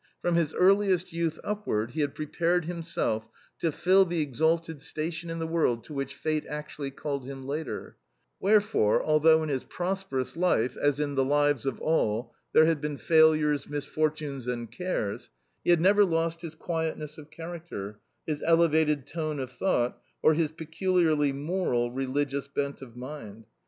From his earliest youth upward he had prepared himself to fill the exalted station in the world to which fate actually called him later; wherefore, although in his prosperous life (as in the lives of all) there had been failures, misfortunes, and cares, he had never lost his quietness of character, his elevated tone of thought, or his peculiarly moral, religious bent of mind.